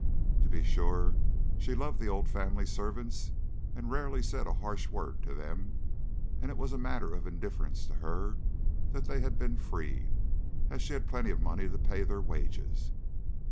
To be sure, she loved the old family servants, and rarely said a harsh word to them, and it was a matter of indifference to her that they had been freed, as she had plenty of money to pay their wages.